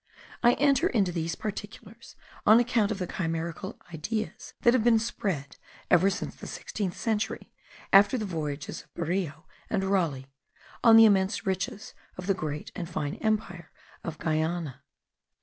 I enter into these particulars on account of the chimerical ideas that have been spread ever since the sixteenth century, after the voyages of Berreo and Raleigh,* "on the immense riches of the great and fine empire of Guiana."